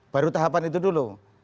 baru tahapan itu dulu